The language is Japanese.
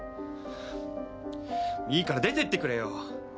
いいから出てってくれよ。